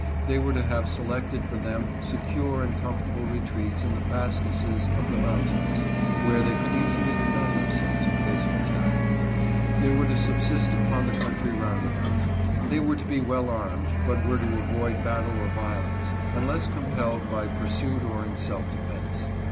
They were to have selected for them secure and comfortable retreats in the fastnesses of the mountains, where they could easily defend themselves in case of attack. They were to subsist upon the country roundabout. They were to be well armed, but were to avoid battle or violence, unless compelled by pursuit or in self defence.